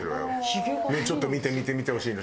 ねえちょっと見て見て！見てほしいの！